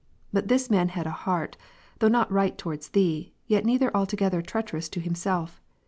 But this man had a heart, though not right towards Thee, yet neither altogether treacherous to himself.